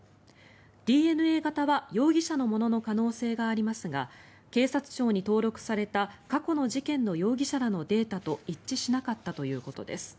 ＤＮＡ型は容疑者のものの可能性がありますが警察庁に登録された過去の事件の容疑者らのデータと一致しなかったということです。